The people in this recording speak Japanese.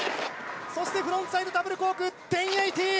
そしてフロントサイドダブルコーク１０８０。